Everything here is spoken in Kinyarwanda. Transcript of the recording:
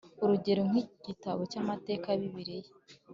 urugero nk Igitabo cy Amateka ya Bibiliya